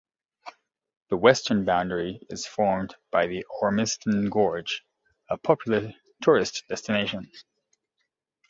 The western boundary is formed by the Ormiston Gorge, a popular tourist destination.